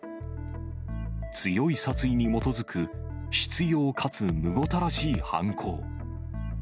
強い殺意に基づく、執ようかつむごたらしい犯行。